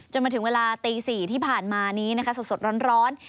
มาถึงเวลาตี๔ที่ผ่านมานี้นะคะสดร้อน